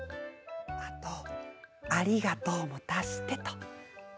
あと、ありがとうも足してと。